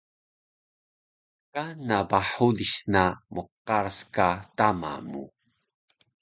Kana ba hulis na mqaras ka tama mu